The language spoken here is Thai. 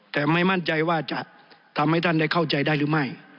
แต่ไม่มั่นใจว่าจะทำให้ท่านได้เข้าใจได้หรือไม่